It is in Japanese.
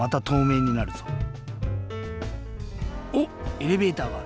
エレベーターがある。